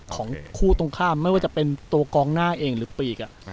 ของคู่ตรงข้ามไม่ว่าจะเป็นตัวกองหน้าเองหรือปีก